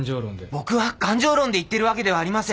僕は感情論で言ってるわけではありません！